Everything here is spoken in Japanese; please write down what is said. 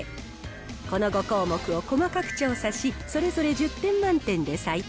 この５項目を細かく調査し、それぞれ１０点満点で採点。